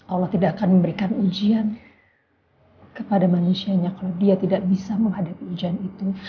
allah tidak akan memberikan ujian kepada manusianya kalau dia tidak bisa menghadapi ujian itu